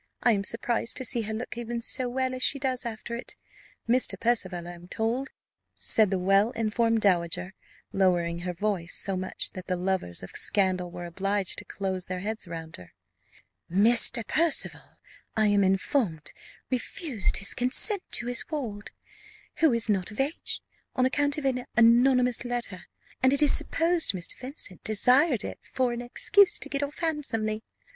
I am surprised to see her look even so well as she does after it. Mr. Percival, I am told," said the well informed dowager, lowering her voice so much that the lovers of scandal were obliged to close their heads round her "Mr. Percival, I am informed, refused his consent to his ward (who is not of age) on account of an anonymous letter, and it is supposed Mr. Vincent desired it for an excuse to get off handsomely.